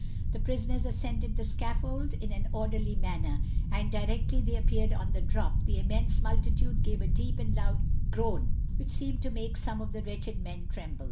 The prisoners ascended the scaffold in an orderly manner, and directly they appeared on the drop, the immense multitude gave a deep and loud groan, which seemed to make some of the wretched men tremble.